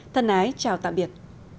thân ái chào tạm biệt